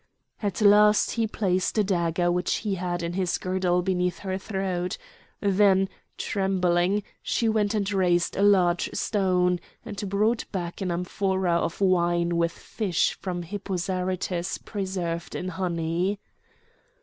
At last he placed a dagger which he had in his girdle beneath her throat. Then, trembling, she went and raised a large stone, and brought back an amphora of wine with fish from Hippo Zarytus preserved in honey.